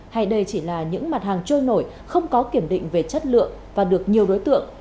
hay đây chỉ là những mặt hàng trôi nổi không có kiểm định về chất lượng và được nhiều đối tượng